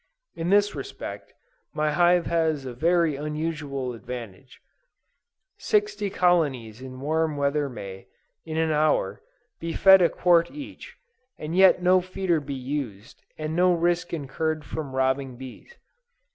In this respect, my hive has very unusual advantages. Sixty colonies in warm weather may, in an hour, be fed a quart each, and yet no feeder be used, and no risk incurred from robbing bees.